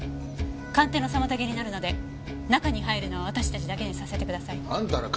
鑑定の妨げになるので中に入るのは私たちだけにさせてください。あんたら！